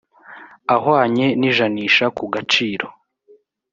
ahwanye n ijanisha ku gaciro